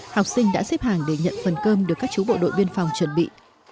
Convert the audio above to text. học sinh đã xếp hàng để nhận phần cơm được các chú bộ đội biên phòng chuẩn bị